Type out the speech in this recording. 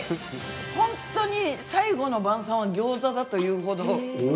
本当に最後の晩さんはギョーザだというほど。